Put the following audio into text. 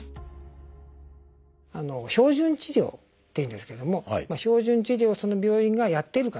「標準治療」っていうんですけれども標準治療をその病院がやっているかどうか。